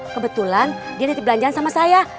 kebetulan dia titik belanjaan sama saya